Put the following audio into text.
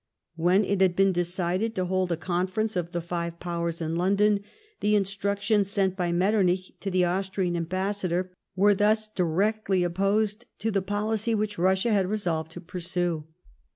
AVhen it had been decided to hold a Con ference of the five Powers in London, the instructions sent by Metternich to the Austrian Ambassador were thus directly opposed to the policy which Russia had resolved to pursue.